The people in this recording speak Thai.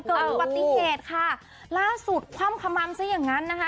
เกิดอุบัติเหตุค่ะล่าสุดคว่ำขมัมซะอย่างงั้นนะคะ